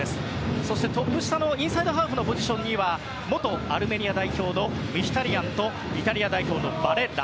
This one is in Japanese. そして、トップ下のインサイドハーフのポジションには元アルメニア代表ムヒタリアンとイタリア代表のバレッラ。